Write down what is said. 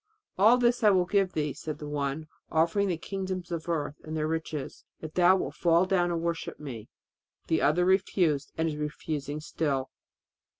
'All this will I give thee,' said the one, offering the kingdoms of the earth and their riches, 'if thou wilt fall down and worship me.' The other refused and is refusing still